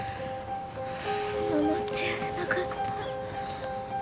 守ってやれなかった。